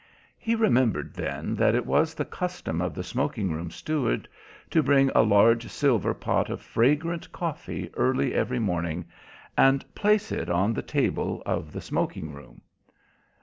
He remembered then that it was the custom of the smoking room steward to bring a large silver pot of fragrant coffee early every morning and place it on the table of the smoking room.